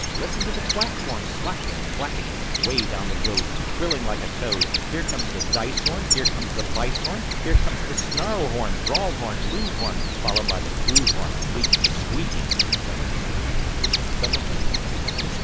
Listen to the quack horns, slack and clacking. Way down the road, trilling like a toad, Here comes the dice horn, here comes the vice horn, Here comes the snarl horn, brawl horn, lewd horn, Followed by the prude horn, bleak and squeaking: (Some of them from Kansas, some of them from Kansas.)